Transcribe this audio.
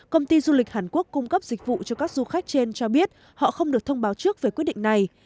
công ty du lịch hàn quốc cung cấp dịch vụ cho các du khách trên cho biết họ không được thông báo trước về quyết định này